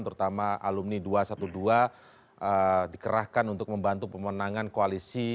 terutama alumni dua ratus dua belas dikerahkan untuk membantu pemenangan koalisi